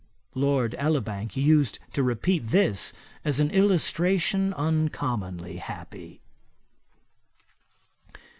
Lord Elibank used to repeat this as an illustration uncommonly happy.